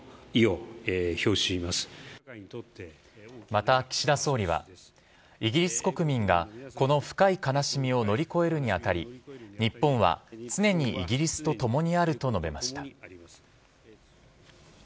また、岸田総理はイギリス国民がこの深い悲しみを乗り越えるに当たり日本は常にイギリスと共にあると述べました。